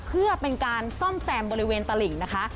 เพื่อเป็นการซ่อมแซมบริเวณตลิ่งนะคะ